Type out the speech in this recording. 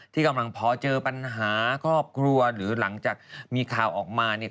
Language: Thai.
ที่กำลังพอเจอปัญหาครอบครัวหรือหลังจากมีข่าวออกมาเนี่ย